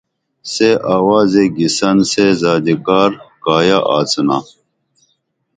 سے آوازے گِسن سے زادی کار کایہ آڅِنا